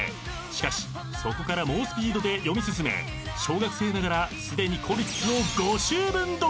［しかしそこから猛スピードで読み進め小学生ながらすでに］